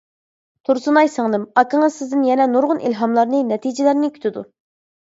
تۇرسۇنئاي سىڭلىم، ئاكىڭىز سىزدىن يەنە نۇرغۇن ئىلھاملارنى، نەتىجىلەرنى كۈتىدۇ.